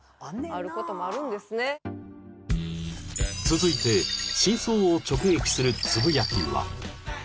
［続いて真相を直撃するつぶやきは］